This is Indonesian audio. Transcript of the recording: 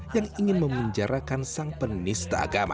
yang ingin memenjarakan sang penista agama